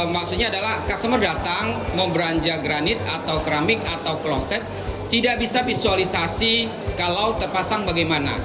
maksudnya adalah customer datang mau beranja granit atau keramik atau kloset tidak bisa visualisasi kalau terpasang bagaimana